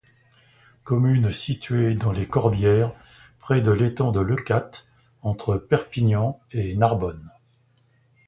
Commune située dans les Corbières près de l'étang de Leucate, entre Perpignan et Narbonne.